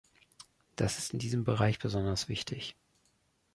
Das ist in diesem Bereich besonders wichtig.